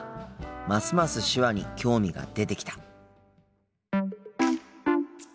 ますます手話に興味が出てきた。